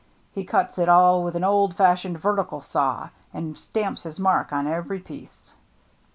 He cuts it all with an old fashioned vertical saw, and stamps his mark on every piece."